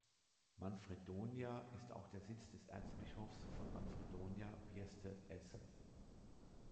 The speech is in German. Manfredonia ist auch der Sitz des Erzbischofs von Manfredonia-Vieste-S.